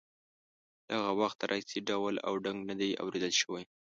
له هغه وخته راهیسې ډول او ډنګ نه دی اورېدل شوی.